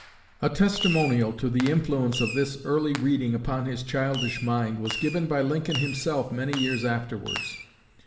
A testimonial to the influence of this early reading upon his childish mind was given by Lincoln himself many years afterwards.